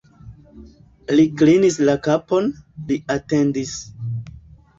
Li klinis la kapon, li atendis.